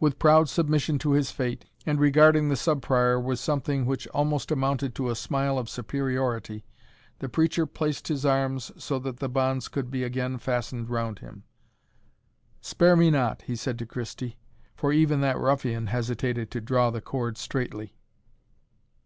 With proud submission to his fate, and regarding the Sub Prior with something which almost amounted to a smile of superiority, the preacher placed his arms so that the bonds could be again fastened round him. "Spare me not," he said to Christie; for even that ruffian hesitated to draw the cord straitly.